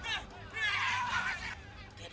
kaya ada suara orang larinya pro